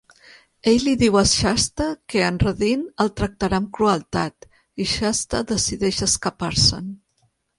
Ell li diu a Shasta que Anradin el tractarà amb crueltat, i Shasta decideix escapar-se'n.